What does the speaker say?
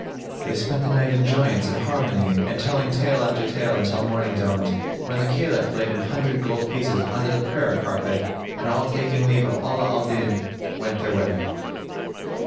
They spent the night in joyance and harmony and telling tale after tale until morning dawned, when the Caliph laid an hundred gold pieces under the prayer carpet and all taking leave of Ala al Din, went their way.